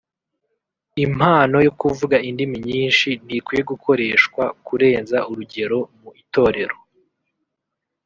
Impano yo kuvuga indimi nyinshi ntikwiye gukoreshwa kurenza urugero mu Itorero